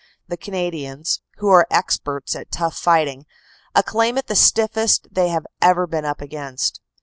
The Canadians, who are experts at tough fighting, acclaim it the stiffest they have ever been up against.